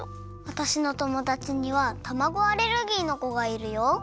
わたしのともだちにはたまごアレルギーのこがいるよ。